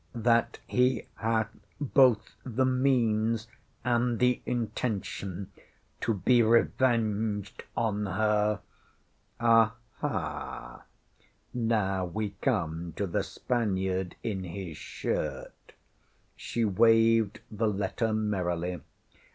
that he hath both the means and the intention to be revenged on her. Aha! Now we come to the Spaniard in his shirt! ŌĆÖ (She waved the letter merrily.)